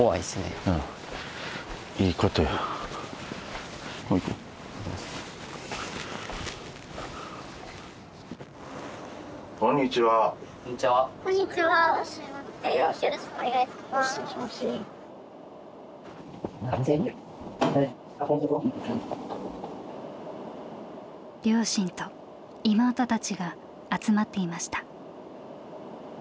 両親と妹たちが集まっていました。